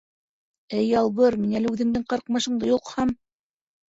— Ах, ялбыр, мин әле үҙеңдең ҡырҡмышыңды йолҡһам!